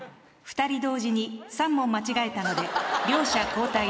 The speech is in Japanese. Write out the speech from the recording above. ２人同時に３問間違えたので両者交代です。